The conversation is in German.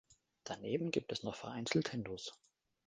Daneben gibt es noch vereinzelt Hindus.